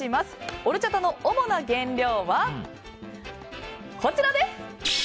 オルチャタの主な原料はこちらです！